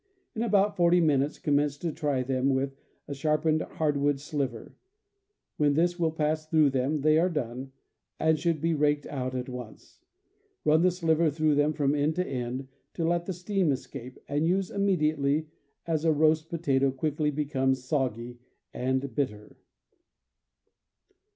In about forty minutes commence to try them with a sharpened hard wood sliver; when this will pass through them they are done, and should be raked out at once. Run the sliver through them from end to end, to let the steam escape, and use immediately, as a roast potato quickly becomes soggy and bitter."